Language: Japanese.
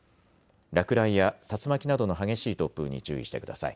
落雷や竜巻などの激しい突風に注意してください。